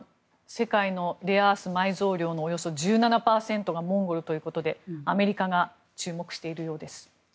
世界のレアアース埋蔵量のおよそ１７％がモンゴルということでアメリカが注目しているようです。